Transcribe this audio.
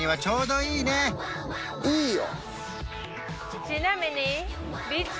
いいよ！